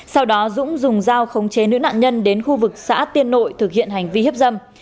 sau đó dũng dùng dao không chế nữ nạn nhân đến khu vực xã tiên nội thực hiện hành vi hiếp dâm